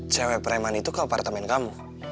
cewek preman itu ke apartemen kamu